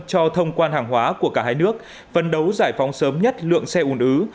cho thông quan hàng hóa của cả hai nước phân đấu giải phóng sớm nhất lượng xe ủn ứ